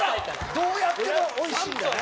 どうやってもおいしいんだね。